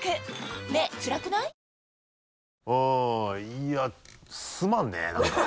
いやすまんね何か。